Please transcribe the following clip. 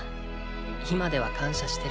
今では感謝してる。